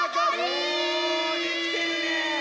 おおできてるね！